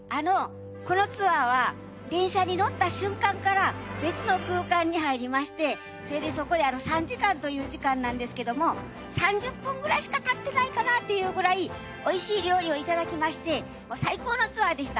このツアーは電車に乗った瞬間から別の空間に入りましてそれでそこで３時間という時間なんですけども３０分くらいしかたってないかなっていうくらいおいしい料理をいただきまして最高のツアーでした。